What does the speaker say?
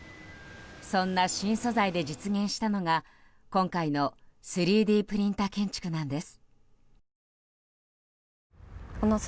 そんな新素材で実現したのが今回の３Ｄプリンター建築なんです。